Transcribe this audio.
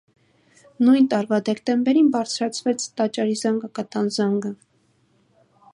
Նույն տարվա դեկտեմբերին բարձրացվեց տաճարի զանգակատան զանգը։